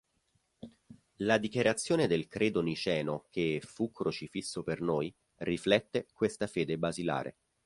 La dichiarazione del credo niceno che "fu crocifisso per noi" riflette questa fede basilare.